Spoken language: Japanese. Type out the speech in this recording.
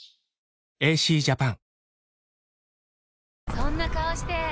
そんな顔して！